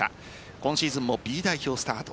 今シーズンもＢ代表スタート。